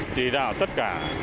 chỉ đạo tất cả